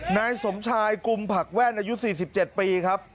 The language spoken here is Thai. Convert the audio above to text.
นายสมชายกุมผักแว่นอายุ๔๗ปีครับ